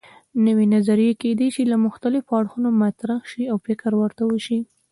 نوې نظریې کیدای شي له مختلفو اړخونو مطرح شي او فکر ورته وشي.